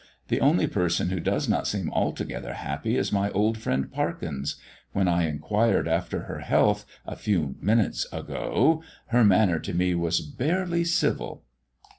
The only person who does not seem altogether happy is my old friend Parkins. When I inquired after her health a few minutes ago her manner to me was barely civil."